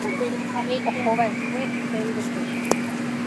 ohova'ekue upe yvytýpe